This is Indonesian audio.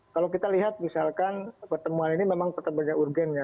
kalau kita lihat misalkan pertemuan ini memang pertemuannya urgen ya